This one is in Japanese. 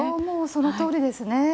そのとおりですね。